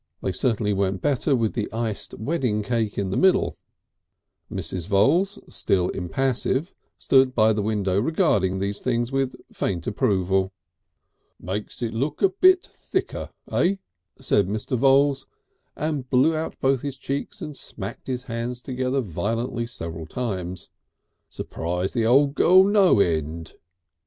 They certainly went better with the iced wedding cake in the middle. Mrs. Voules, still impassive, stood by the window regarding these things with a faint approval. "Makes it look a bit thicker, eh?" said Mr. Voules, and blew out both his cheeks and smacked his hands together violently several times. "Surprise the old girl no end."